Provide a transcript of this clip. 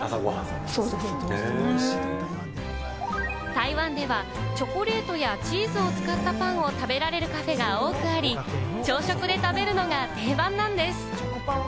台湾ではチョコレートやチーズを使ったパンを食べられるカフェが多くあり、朝食で食べるのが定番なんです。